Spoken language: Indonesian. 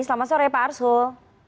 selamat sore pak arsul